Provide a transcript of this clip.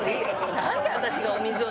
なんで私がお水を。